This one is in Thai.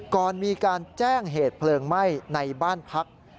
ก่อนมีการแจ้งเหตุเพลิงไหม้ในบ้านพัก